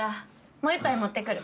もう１杯持ってくる。